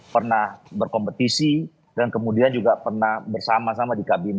pernah berkompetisi dan kemudian juga pernah bersama sama di kabinet